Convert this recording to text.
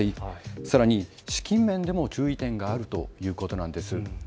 さらに資金面でも注意点があるということなんです。